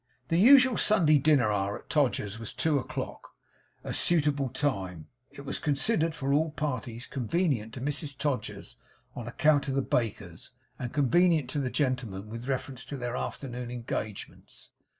The usual Sunday dinner hour at Todgers's was two o'clock a suitable time, it was considered for all parties; convenient to Mrs Todgers, on account of the bakers; and convenient to the gentlemen with reference to their afternoon engagements.